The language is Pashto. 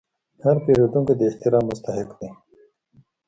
هر پیرودونکی د احترام مستحق دی.